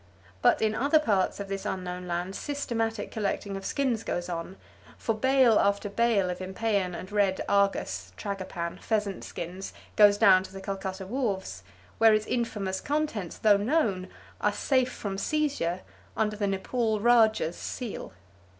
But in other parts of this unknown land systematic collecting of skins goes on, for bale after bale of impeyan and red argus (tragopan) pheasant skins goes down to the Calcutta wharves, where its infamous contents, though known, are safe from seizure under the Nepal Raja's seal!